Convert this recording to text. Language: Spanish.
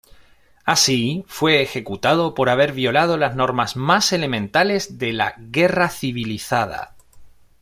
Así, fue ejecutado por haber violado las normas más elementales de la "guerra civilizada".